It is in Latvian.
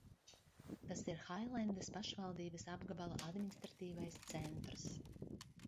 Tas ir Hailendas pašvaldības apgabala administratīvais centrs.